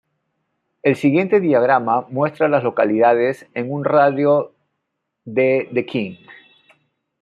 El siguiente diagrama muestra a las localidades en un radio de de King.